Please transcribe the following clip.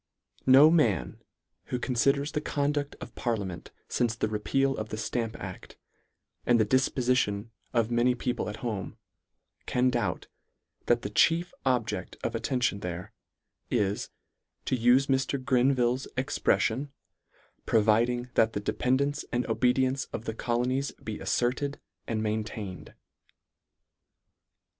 No man, who conliders the conduct of parliament lince the repeal of the Stamp adf , and the difpofition of many people at home, can doubt, that the chief object of attention there, is, to ufe Mr. Grenville's expremon, " providing that the dependance and obedi ence of the colonies be alferted and main tained."